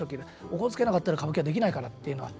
おこつけなかったら歌舞伎はできないから」っていうのは。